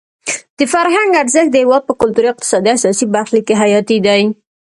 د فرهنګ ارزښت د هېواد په کلتوري، اقتصادي او سیاسي برخلیک کې حیاتي دی.